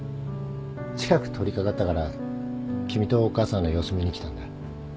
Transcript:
近く通りかかったから君とお母さんの様子見に来たんだ